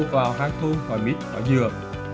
vào hai thôn hòa mít hòa dừa